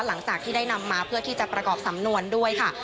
หลังจากที่ได้นำมาเพื่อที่จะประกอบสำนวนด้วยค่ะ